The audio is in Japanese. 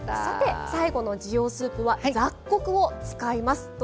さて最後の滋養スープは雑穀を使います。